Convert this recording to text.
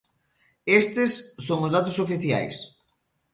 Estes son os datos oficiais.